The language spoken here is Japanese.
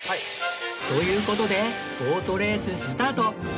という事でボートレーススタート！